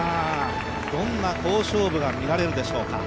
どんな好勝負が見られるでしょうか。